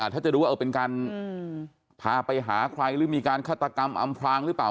ถ้าจะดูว่าเป็นการพาไปหาใครหรือมีการฆาตกรรมอำพลางหรือเปล่า